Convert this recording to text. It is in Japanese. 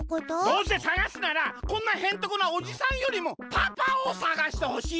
どうせ探すならこんなへんてこなおじさんよりもパパを探してほしいわけよ！